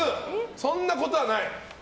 そんなことはない？